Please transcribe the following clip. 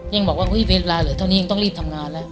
ยังบอกว่าเวลาเหลือเท่านี้ยังต้องรีบทำงานแล้ว